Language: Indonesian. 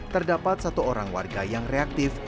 terdapat satu orang warga yang reaktif